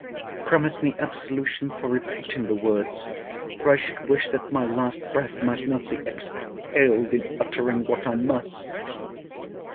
'Promise me absolution for repeating the words, for I should wish that my last breath might not be exhaled in uttering—what I must.'